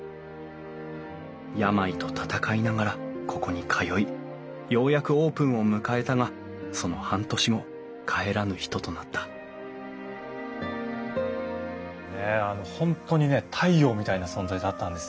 病と闘いながらここに通いようやくオープンを迎えたがその半年後帰らぬ人となった本当にね太陽みたいな存在だったんですよ。